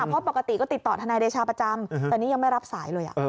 เพราะปกติก็ติดต่อทนายเดชาประจำแต่นี่ยังไม่รับสายเลย